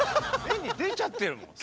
画に出ちゃってるもん。